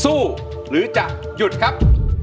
สู้หรือจะหยุดครับ